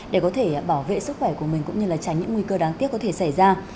để có thể bảo vệ sức khỏe của mình cũng như là tránh những nguy cơ đáng tiếc có thể xảy ra